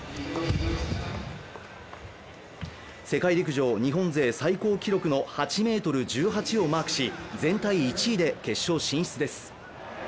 世界陸上・日本勢最高記録の８ｍ１８をマークし、全体１位で決勝進出です。